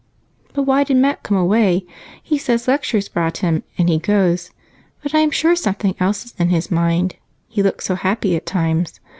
"But why did Mac come away? He says lectures brought him, and he goes, but I am sure something else is in his mind, he looks so happy at times.